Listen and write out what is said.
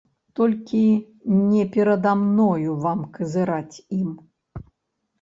Толькі не перада мною вам казыраць ім!